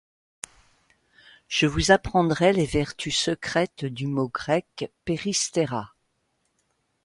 Je vous apprendrai les vertus secrètes du mot grec peristera.